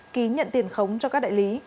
ký nhận tiền khống cho các đại lý